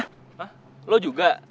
hah lo juga